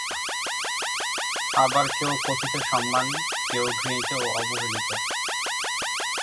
আবার কেউ কথিত সম্মানী, কেউ ঘৃণিত ও অবহেলিত।